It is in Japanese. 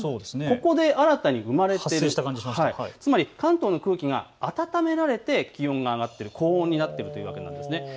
ここで新たに生まれている、つまり関東の空気があたためられて気温が上がって高温になっているというわけなんです。